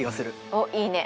おっいいね！